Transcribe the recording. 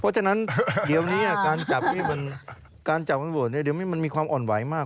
เพราะฉะนั้นเดี๋ยวนี้การจับนี่มันมีความอ่อนไหวมาก